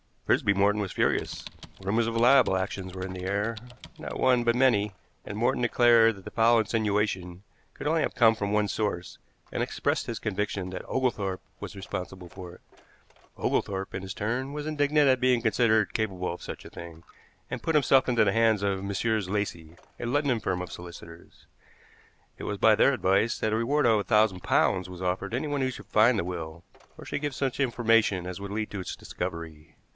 Frisby Morton was furious. Rumors of libel actions were in the air, not one but many, and Morton declared that the foul insinuation could only have come from one source, and expressed his conviction that Oglethorpe was responsible for it. Oglethorpe, in his turn, was indignant at being considered capable of such a thing, and put himself into the hands of Messrs. Lacey, a London firm of solicitors. It was by their advice that a reward of a thousand pounds was offered to anyone who should find the will, or should give such information as would lead to its discovery.